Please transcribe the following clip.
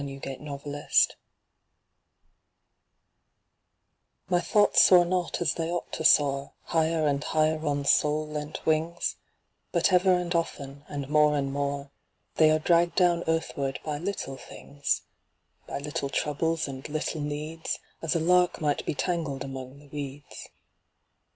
FLEEING AWAY My thoughts soar not as they ought to soar, Higher and higher on soul lent wings; But ever and often, and more and more They are dragged down earthward by little things, By little troubles and little needs, As a lark might be tangled among the weeds.